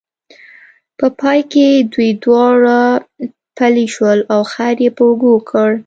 په پای کې دوی دواړه پلي شول او خر یې په اوږو کړ.